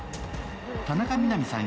田中みな実さん